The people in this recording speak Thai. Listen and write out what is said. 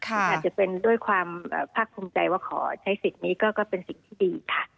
มันอาจจะเป็นด้วยความภาคภูมิใจว่าขอใช้สิทธิ์นี้ก็เป็นสิ่งที่ดีค่ะ